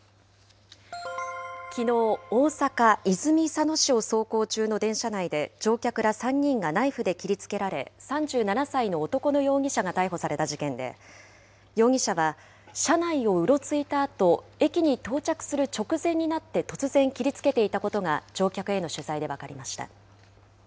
きのう、大阪・泉佐野市を走行中の電車内で乗客ら３人がナイフで切りつけられ、３７歳の男の容疑者が逮捕された事件で、容疑者は、車内をうろついたあと、駅に到着する直前になって突然切りつけていたことが、乗客への取材で分かりました。